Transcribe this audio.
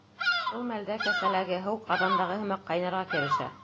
Шул мәлдә кәсәләге һыу ҡаҙандағы һымаҡ ҡайнарға керешә.